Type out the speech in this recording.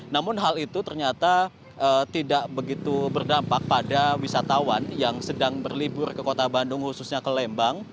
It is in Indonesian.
namun hal itu ternyata tidak begitu berdampak pada wisatawan yang sedang berlibur ke kota bandung khususnya ke lembang